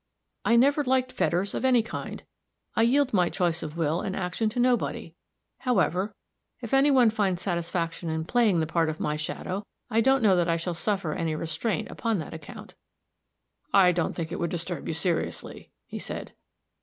"I never liked fetters, of any kind. I yield my choice of will and action to nobody. However, if any one finds satisfaction in playing the part of my shadow, I don't know that I shall suffer any restraint upon that account." "I don't think it would disturb you seriously," he said.